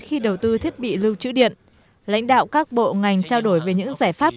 khi đầu tư thiết bị lưu trữ điện lãnh đạo các bộ ngành trao đổi về những giải pháp